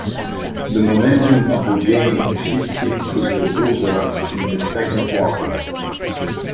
The momentum of the game shifted to the Bulldogs in the second quarter.